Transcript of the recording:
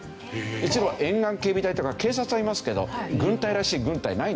一部は沿岸警備隊とか警察はいますけど軍隊らしい軍隊ないんですよ。